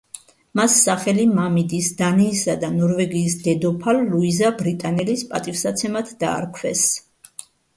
მას სახელი მამიდის, დანიისა და ნორვეგიის დედოფალ ლუიზა ბრიტანელის პატივსაცემად დაარქვეს.